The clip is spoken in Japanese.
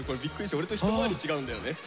俺と一回り違うんだよね。